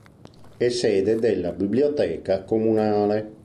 È sede della biblioteca comunale.